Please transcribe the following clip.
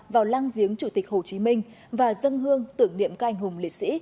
vào lang viếng chủ tịch hồ chí minh và dân hương tưởng niệm các anh hùng lễ sĩ